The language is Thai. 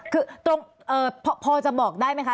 คือตรงพอจะบอกได้ไหมคะ